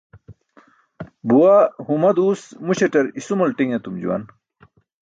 Buwaa huma duus muśaṭar isumal ṭiṅ etum juwan.